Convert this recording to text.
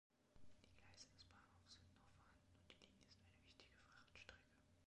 Die Gleise des Bahnhofs sind noch vorhanden und die Linie ist eine wichtige Frachtstrecke.